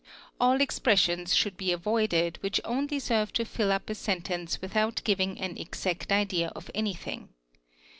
All expressions should be avoided which only serve to fill "Up a sentence without giving an exact idea of anything.